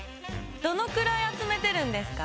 どのくらいあつめてるんですか？